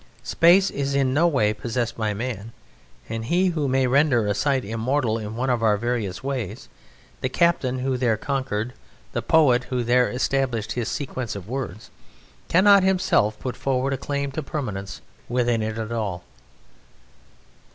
Space is in no way possessed by man, and he who may render a site immortal in one of our various ways, the captain who there conquered, the poet who there established his sequence of words, cannot himself put forward a claim to permanence within it at all."